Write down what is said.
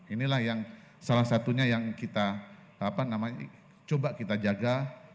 inilah yang salah satunya yang kita coba kita jaga